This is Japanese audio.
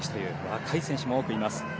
若い選手も多くいます。